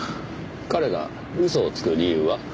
彼が嘘をつく理由は？